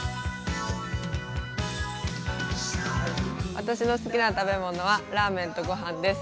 私の好きな食べ物はラーメンと御飯です。